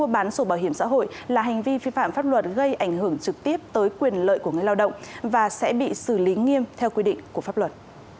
bán sổ bảo hiểm xã hội là hành vi vi phạm pháp luật gây ảnh hưởng trực tiếp tới quyền lợi của người lao động và sẽ bị xử lý nghiêm theo quy định của pháp luật